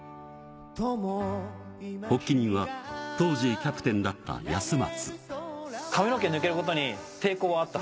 発起人は当時キャプテンだった安松。